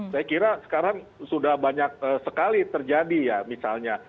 saya kira sekarang sudah banyak sekali terjadi ya misalnya